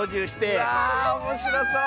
わあおもしろそう！